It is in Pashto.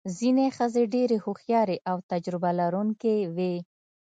ځینې ښځې ډېرې هوښیارې او تجربه لرونکې وې.